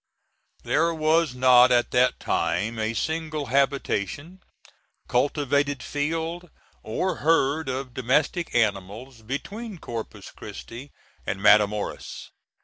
There was not at that time a single habitation, cultivated field, or herd of domestic animals, between Corpus Christi and Matamoras.